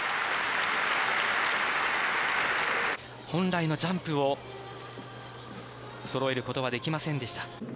本来のジャンプをそろえることはできませんでした。